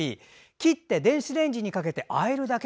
切って電子レンジにかけてあえるだけ。